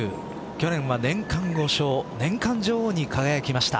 去年は年間５勝年間女王に輝きました。